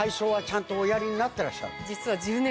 実は。